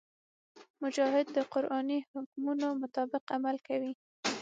مجاهد د قرآني حکمونو مطابق عمل کوي.